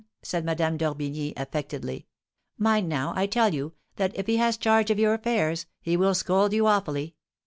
said Madame d'Orbigny, affectedly. "Mind now, I tell you, that, if he has charge of your affairs, he will scold you awfully.